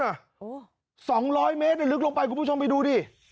โอ้โห๒๐๐เมตรลึกลงไปคุณผู้ชมไปดูดิ